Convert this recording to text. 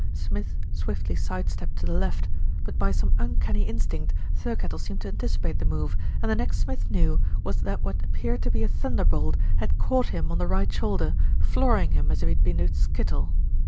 Smith swiftly side stepped to the left; but by some uncanny instinct Thirkettle seemed to anticipate the move, and the next Smith knew was that what ap peared to be a thunderbolt had caught him on the right shoulder, flooring him as if he had been a skittle.